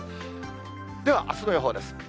ではあすの予報です。